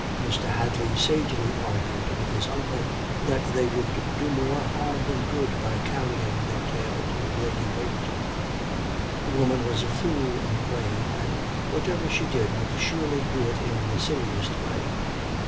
Mr. Hadley sagely argued with his uncle that they would do more harm than good by carrying their tale to Lady Waverton. The woman was a fool in grain, and whatever she did would surely do it in the silliest way.